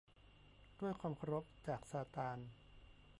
ด้วยความเคารพ จากซาตาน